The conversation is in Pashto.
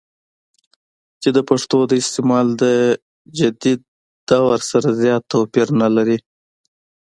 چې دَپښتو دَاستعمال دَجديد دور سره زيات توپير نۀ لري